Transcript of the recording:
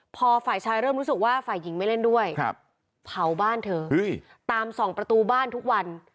พอฝ่ายชายเริ่มรู้สึกว่าฝ่ายหญิงไม่เล่นด้วยเผาบ้านเธอตามส่องประตูบ้านทุกวัน